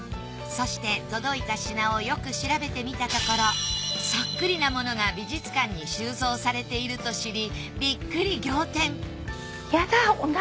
そして届いた品をよく調べてみたところそっくりな物が美術館に収蔵されていると知りビックリ